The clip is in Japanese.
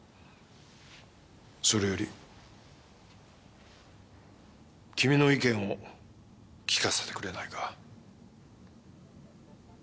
それより君の意見を聞かせてくれないか。